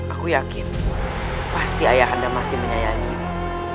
aku yakin pasti ayah anda masih menyayangi ini